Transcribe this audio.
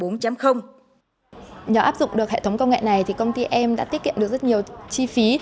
nhờ áp dụng được hệ thống công nghệ này thì công ty em đã tiết kiệm được rất nhiều chi phí